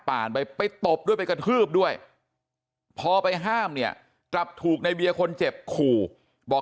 ป่านไปไปตบด้วยไปกระทืบด้วยพอไปห้ามเนี่ยจับถูกในเบียคนเจ็บ